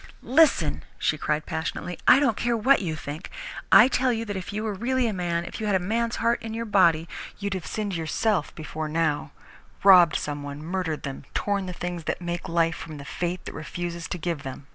"Listen," she cried passionately, "I don't care what you think! I tell you that if you were really a man, if you had a man's heart in your body, you'd have sinned yourself before now robbed some one, murdered them, torn the things that make life from the fate that refuses to give them.